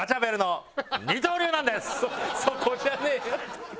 そこじゃねえよ！